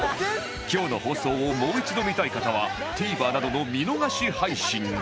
今日の放送をもう一度見たい方は ＴＶｅｒ などの見逃し配信で